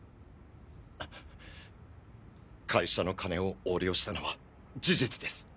会社の金を横領したのは事実です。